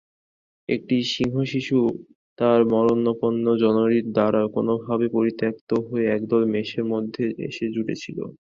একটি সিংহশিশু তার মরণাপন্ন জননীর দ্বারা কোনভাবে পরিত্যক্ত হয়ে একদল মেষের মধ্যে এসে জুটেছিল।